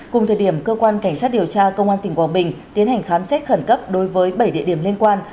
cùng thời điểm cơ quan cảnh sát điều tra công an tỉnh quảng bình tiến hành khám xét khẩn cấp đối với bảy địa điểm liên quan